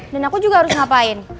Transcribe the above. dan aku juga harus ngapain